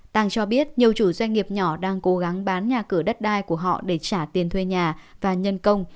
tàng cho biết nhiều chủ doanh nghiệp nhỏ đang cố gắng bán nhà cửa đất đai của họ để trả tiền thuê nhà và nhân công